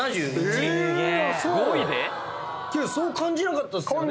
そう感じなかったっすよね？